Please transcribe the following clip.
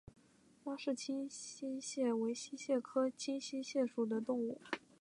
拉氏清溪蟹为溪蟹科清溪蟹属的动物。